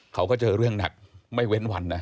เขาก็เจอเรื่องหนักไม่เว้นวันนะ